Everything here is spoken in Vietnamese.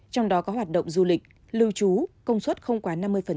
trong đó có hoạt động du lịch lưu trú công suất không quá năm mươi